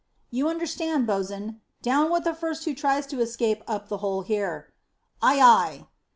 "You understand, bo's'n, down with the first who tries to escape up the hole here." "Ay, ay."